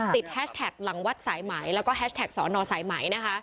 แฮชแท็กหลังวัดสายไหมแล้วก็แฮชแท็กสอนอสายไหมนะคะ